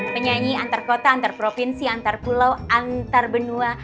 penyanyi antar kota antar provinsi antar pulau antar benua